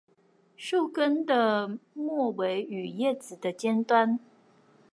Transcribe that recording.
樹根的末尾與葉子的尖端